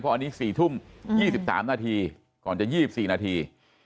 อันนี้๔ทุ่ม๒๓นาทีก่อนจะ๒๔นาที